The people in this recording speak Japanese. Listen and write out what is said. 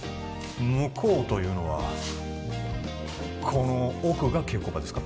向こうというのはこの奥が稽古場ですか？